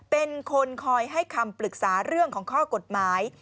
เป็นคนคอยให้คำปรึกษาเรื่องของข้อกฎหมาย